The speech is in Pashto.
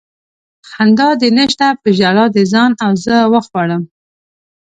خندا دې نشته په ژړا دې ځان او زه وخوړم